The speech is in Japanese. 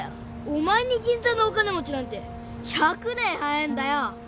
お前に銀座のお金持ちなんて１００年早えんだよ！